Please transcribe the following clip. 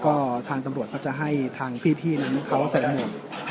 ก็ทางตำรวจก็จะให้ทางพี่นั้นเขาใส่หมวก